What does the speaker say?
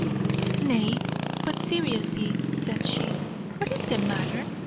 "Nay, but seriously," said she, "what is the matter?